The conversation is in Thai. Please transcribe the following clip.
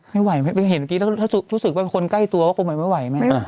ไม่ไหวไม่เห็นพอมาแล้วจะผิดฮึกไปคนใกล้ตัวว่าผมอาไม่ไหว